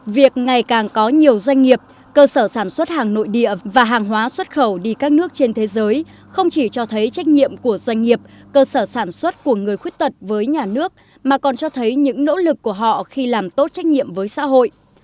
việc ngày càng có nhiều doanh nghiệp cơ sở sản xuất hàng nội địa và hàng hóa xuất khẩu đi các nước trên thế giới không chỉ cho thấy trách nhiệm của doanh nghiệp cơ sở sản xuất của người khuyết tật với nhà nước mà còn cho thấy những nỗ lực của họ khi làm tốt trách nhiệm với xã hội